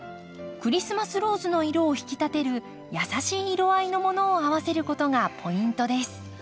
クリスマスローズの色を引き立てる優しい色合いのものを合わせることがポイントです。